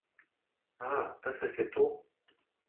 Ā, tas esi tu.